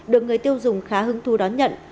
được người tiêu dùng khá hứng thú đón nhận